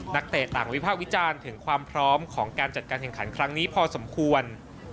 เตะต่างวิภาควิจารณ์ถึงความพร้อมของการจัดการแข่งขันครั้งนี้พอสมควร